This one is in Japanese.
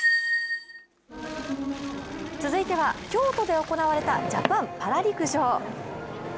続いては京都で行われたジャパンパラ陸上。